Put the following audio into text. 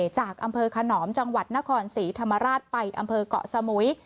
จากอำเภอขนอมจังหวัดนครศรีธรรมราชไปอำเภอกเกาะสมุย